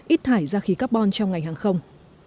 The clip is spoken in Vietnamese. ít thải ra khí carbon trong ngành hàng không